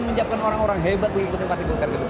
menyiapkan orang orang hebat untuk ikuti empat tergedepan